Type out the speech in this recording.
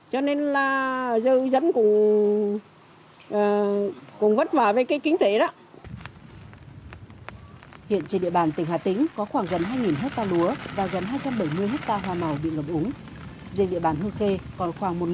cho nên là dân cũng vất vả với cái kinh tế đó